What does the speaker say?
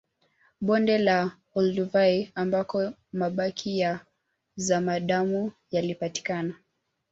Bonde la Olduvai ambako mabaki ya zamadamu yalipatikana